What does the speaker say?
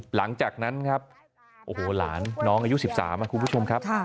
หลังจากนั้นครับโอ้โหหลานน้องอายุ๑๓คุณผู้ชมครับ